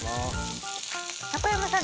中山さん